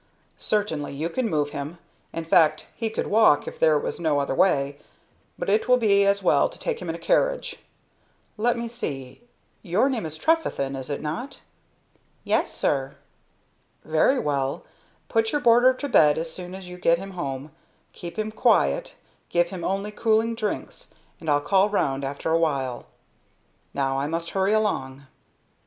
"Certainly you can move him; in fact, he could walk if there was no other way; but it will be as well to take him in a carriage. Let me see, your name is Trefethen, is it not?" "Yes, sir." "Very well; put your boarder to bed as soon as you get him home, keep him quiet, give him only cooling drinks, and I'll call round after a while. Now I must hurry along."